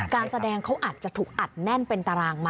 การแสดงเขาอาจจะถูกอัดแน่นเป็นตารางมา